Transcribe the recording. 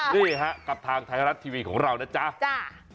นี่ฮะกับทางไทยรัฐทีวีของเรานะจ๊ะ